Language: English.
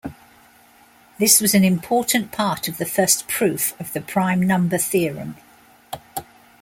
This was an important part of the first proof of the prime number theorem.